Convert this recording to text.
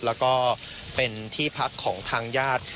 แล้วก็เป็นที่พักของทางญาติ